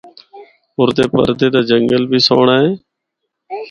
اُردے پردے دا جنگل بھی سہنڑا اے۔